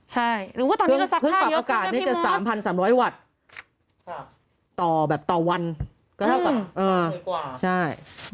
หรือว่าตอนนี้ก็สักผ้าเยอะครึ่งนะพี่มร